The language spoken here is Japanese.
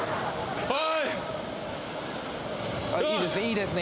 いいですね。